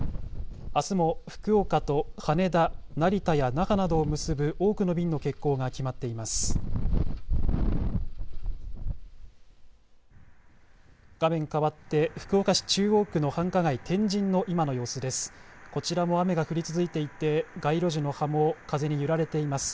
あすも福岡と羽田、成田や那覇などを結ぶ多くの便の欠航が決まっています。